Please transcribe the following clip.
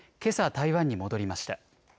台湾に戻りました。